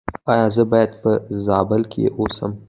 ایا زه باید په زابل کې اوسم؟